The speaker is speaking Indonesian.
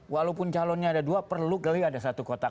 walaupun calonnya ada dua perlu ada satu kotak